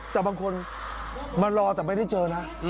แต่บางคนมารอแต่ไม่ได้เจอนะ